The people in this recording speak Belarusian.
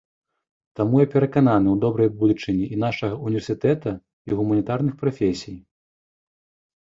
Таму я перакананы ў добрай будучыні і нашага ўніверсітэта, і гуманітарных прафесій.